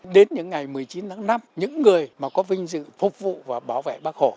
đến những ngày một mươi chín tháng năm những người mà có vinh dự phục vụ và bảo vệ bác hồ